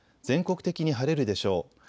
全国的に晴れるでしょう。